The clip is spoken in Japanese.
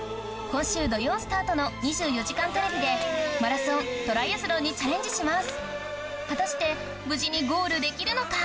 今週土曜スタートの『２４時間テレビ』でマラソントライアスロンにチャレンジします果たして無事にゴールできるのか？